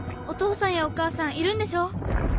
お父さんやお母さんいるんでしょう？